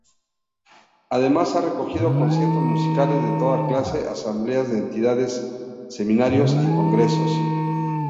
Además ha acogido conciertos musicales de toda clase, asambleas de entidades, seminarios y congresos.